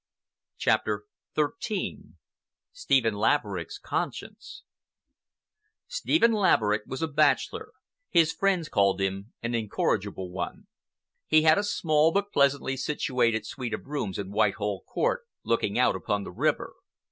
CHAPTER XIII STEPHEN LAVERICK'S CONSCIENCE Stephen Laverick was a bachelor—his friends called him an incorrigible one. He had a small but pleasantly situated suite of rooms in Whitehall Court, looking out upon the river.